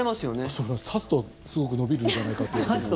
そうなんです、立つとすごく伸びるんじゃないかと。